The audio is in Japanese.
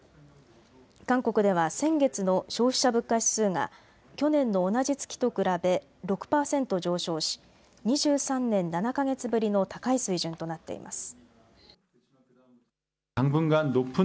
韓国では先月の消費者物価指数が去年の同じ月と比べ６％上昇し２３年７か月ぶりの高い水準となっています。